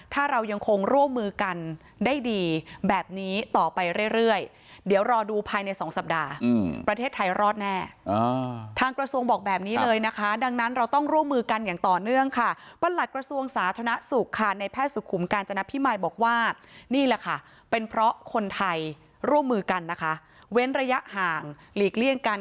ถ้าเรายังคงร่วมมือกันได้ดีแบบนี้ต่อไปเรื่อยเดี๋ยวรอดูภายในสองสัปดาห์ประเทศไทยรอดแน่ทางกระทรวงบอกแบบนี้เลยนะคะดังนั้นเราต้องร่วมมือกันอย่างต่อเนื่องค่ะประหลัดกระทรวงสาธารณสุขค่ะในแพทย์สุขุมกาญจนพิมายบอกว่านี่แหละค่ะเป็นเพราะคนไทยร่วมมือกันนะคะเว้นระยะห่างหลีกเลี่ยงกัน